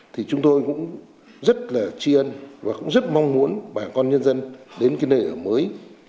thì chúng tôi cũng rất là tri ân và cũng rất mong muốn bà con nhân dân đến cái nơi ở mới